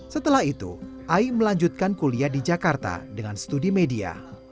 setelah itu ai melanjutkan kuliah di jakarta dengan studi media